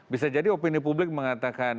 bisa jadi opini publik mengatakan